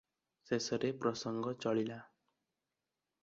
ଶେଷରେ ପ୍ରସଙ୍ଗ ଚଳିଲା ।